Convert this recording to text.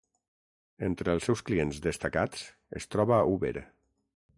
Entre els seus clients destacats es troba Uber.